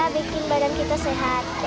bikin seneng bener banget sih